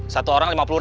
satu orang lima puluh ya